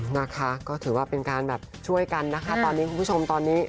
นะคะก็ถือว่าเป็นการแบบช่วยกันนะคะตอนนี้คุณผู้ชมตอนนี้